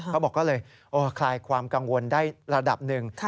เขาบอกก็เลยคลายความกังวลได้ระดับหนึ่ง